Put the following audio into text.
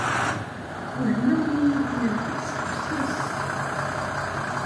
Wehmeɣ mi iyi-yerfed s tefses.